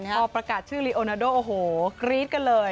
พอประกาศชื่อลิโอนาโดโอ้โหกรี๊ดกันเลย